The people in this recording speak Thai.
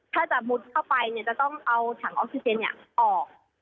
ถ้าจะมุดเข้าไปเนี่ยจะต้องเอาถังออฟซิเซนเนี่ยออก